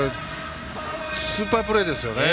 スーパープレーですよね。